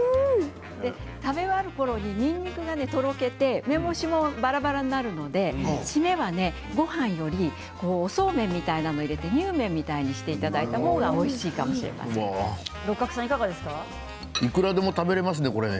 食べ終わるころに、にんにくがとろけて梅干しが、ばらばらになるので締めはごはんよりおそうめんみたいなもの入れてにゅうめんみたくしていただいたいくらでも食べられますね、これは。